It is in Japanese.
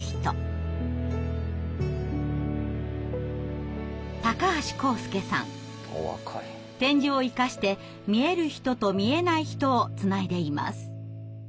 点字を生かして見える人と見えない人をつないでいます。